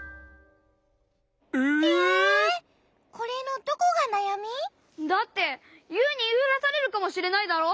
これのどこがなやみ？だってユウにいいふらされるかもしれないだろ？